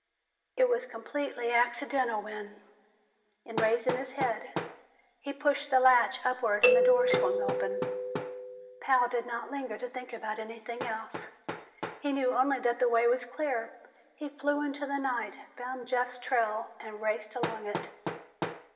It was completely accidental when, in raising his head, he pushed the latch upward and the door swung open. Pal did not linger to think about anything else; he knew only that the way was clear. He flew into the night, found Jeff's trail and raced along it.